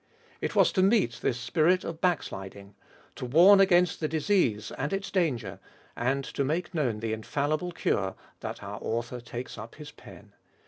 It was to meet this spirit of backsliding, to warn against the disease and its danger, and to make known the infallible cure, that our author takes up his pen.